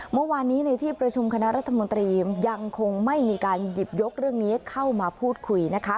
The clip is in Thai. เมื่อวานนี้ในที่ประชุมคณะรัฐมนตรียังคงไม่มีการหยิบยกเรื่องนี้เข้ามาพูดคุยนะคะ